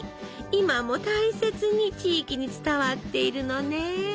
今も大切に地域に伝わっているのね。